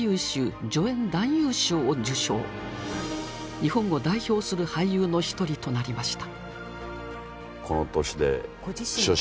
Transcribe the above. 日本を代表する俳優の一人となりました。